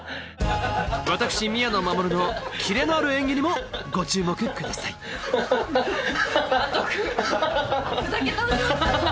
私宮野真守のキレのある演技にもご注目くださいハハハハハハ